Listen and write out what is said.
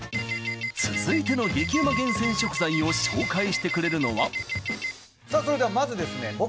続いての激ウマ厳選食材を紹介してくれるのはそれではまずですね